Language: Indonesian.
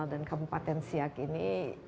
dan kabupaten siak ini